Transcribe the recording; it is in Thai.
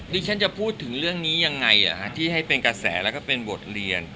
ดิฉันจะพูดถึงเรื่องนี้ยังไงที่ให้เป็นกระแสแล้วก็เป็นบทเรียน